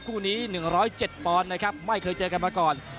คู่นี้หนึ่งร้อยเจ็ดปอนด์นะครับไม่เคยเจอกันมาก่อน